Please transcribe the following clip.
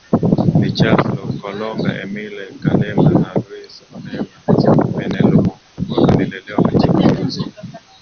ni Charles Lokolonga Émile Kalema na Louis Onema Pene LumumbamojaAlilelewa katika makuzi